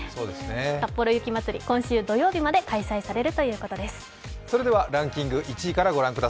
さっぽろ雪まつり、今週土曜日まで開催されるということです。